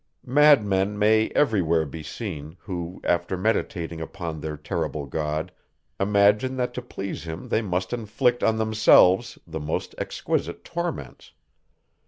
Madmen may everywhere be seen, who, after meditating upon their terrible God, imagine that to please him they must inflict on themselves, the most exquisite torments.